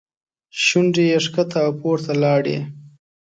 شونډې یې ښکته او پورته لاړې.